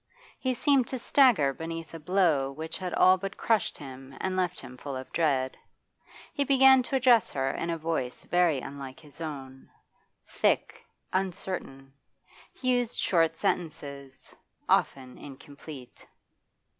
He seemed to stagger beneath a blow which had all but crushed him and left him full of dread. He began to address her in a voice very unlike his own thick, uncertain; he used short sentences, often incomplete.